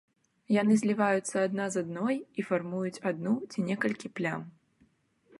Яны зліваюцца адна з адной і фармуюць адну ці некалькі плям.